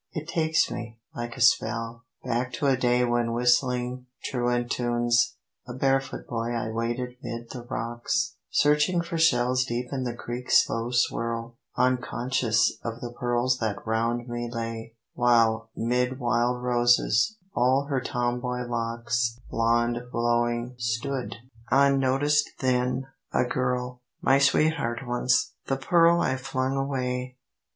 It takes me, like a spell, Back to a day when, whistling truant tunes, A barefoot boy I waded 'mid the rocks, Searching for shells deep in the creek's slow swirl, Unconscious of the pearls that 'round me lay: While, 'mid wild roses, all her tomboy locks Blond blowing, stood, unnoticed then, a girl, My sweetheart once, the pearl I flung away.